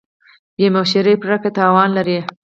بې مشورې پرېکړه تاوان لري.